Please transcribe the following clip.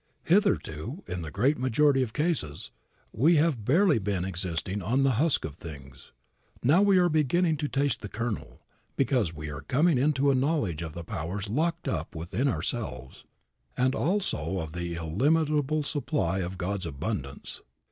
Hitherto, in the great majority of cases, we have barely been existing on the husks of things. Now we are beginning to taste the kernel, because we are coming into a knowledge of the powers locked up within ourselves, and also of the illimitable supply of God's abundance.